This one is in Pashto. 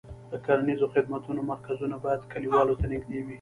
د کرنیزو خدمتونو مرکزونه باید کليوالو ته نږدې وي.